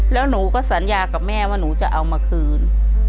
แล้วหนูก็สัญญากับแม่ว่าหนูจะเอามาคืน